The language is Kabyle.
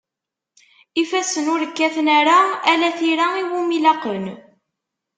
Ifassen ur kkaten ara, ala tira iwumi laqen.